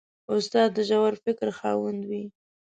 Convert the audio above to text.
استاد د ژور فکر خاوند وي.